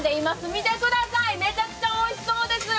見てください、めちゃくちゃおいしそうです。